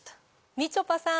みちょぱさん